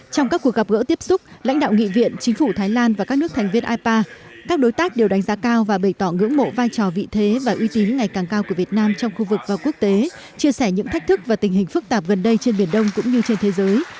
trong các cuộc gặp gỡ tiếp xúc lãnh đạo nghị viện chính phủ thái lan và các nước thành viên ipa các đối tác đều đánh giá cao và bày tỏ ngưỡng mộ vai trò vị thế và uy tín ngày càng cao của việt nam trong khu vực và quốc tế chia sẻ những thách thức và tình hình phức tạp gần đây trên biển đông cũng như trên thế giới